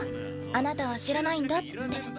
あなたは知らないんだって。